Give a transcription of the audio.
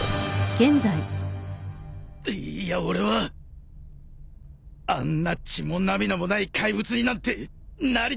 いいや俺はあんな血も涙もない怪物になんてなりたくねえ！